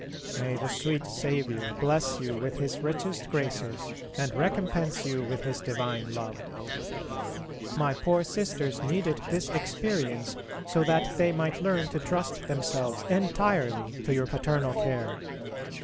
May the sweet Saviour bless you with His richest graces and recompense you with His divine love. My poor Sisters needed this experience so that they might learn to trust themselves entirely to your paternal care.